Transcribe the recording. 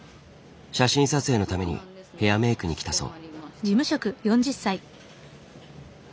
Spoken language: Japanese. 写真撮影のためにヘアメイクに来たそう。